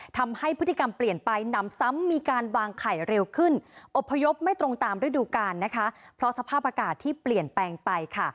ทำให้พฤติกรรมเปลี่ยนไปนำซ้ำมีการวางไข่เร็วขึ้นอบพยพไม่ตรงตามฤดูกาลนะคะเพราะสภาพอากาศที่เปลี่ยนแปลงไปค่ะ